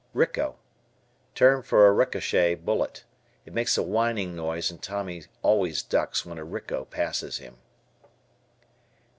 "Ricco." Term for a ricochet bullet. It makes a whining noise and Tommy always ducks when a "ricco" passes him.